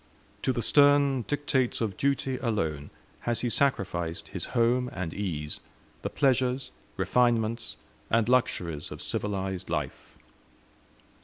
To the stern dictates of duty, alone, has he sacrificed his home and ease, the pleasures, refinements, and luxuries of civilized life.